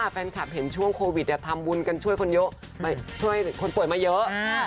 แฟนคลับเห็นช่วงโควิดทำบุญกันช่วยคนป่วยมาเยอะ